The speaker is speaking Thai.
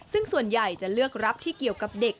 ซึ่งส่วนใหญ่จะเลือกรับที่เกี่ยวกับเด็ก